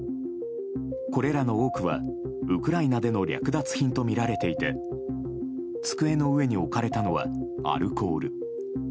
これらの多くはウクライナでの略奪品とみられていて机の上に置かれたのはアルコール。